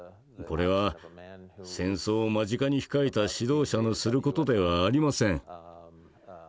これは戦争を間近に控えた指導者のする事ではありません。